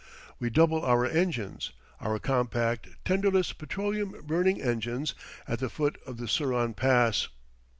We double our engines our compact, tenderless, petroleum burning engines at the foot of the Suran Pass.